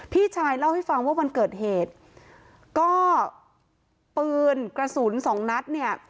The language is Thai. พี่ชายเล่าให้ฟังว่าวันเกิดเหตุก็ปืนกระสุนสองนัดเนี่ย